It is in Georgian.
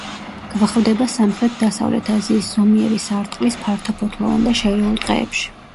გვხვდება სამხრეთ-დასავლეთ აზიის ზომიერი სარტყლის ფართოფოთლოვან და შერეულ ტყეებში.